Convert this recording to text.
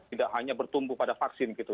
tidak hanya bertumbuh pada vaksin gitu